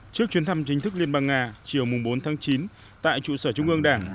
trước chuyến thăm chính thức liên bang nga chiều bốn tháng chín tại trụ sở trung ương đảng